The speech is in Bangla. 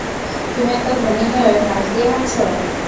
তুমি এত ধনী হয়েও ঘাস দিয়ে হাঁটছ!